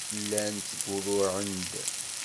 Llan ttgurruɛen-d.